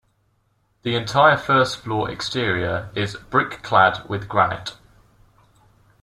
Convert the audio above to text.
The entire first floor exterior is brick-clad with granite.